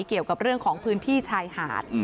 เกี่ยวกับเรื่องของพื้นที่ชายหาด